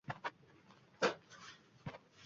Islom dinini yomonotliq qilishga